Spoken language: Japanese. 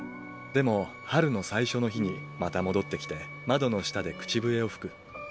でも春の最初の日にまた戻ってきて窓の下で口笛を吹く。